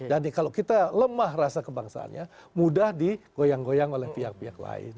dan kalau kita lemah rasa kebangsaannya mudah digoyang goyang oleh pihak pihak lain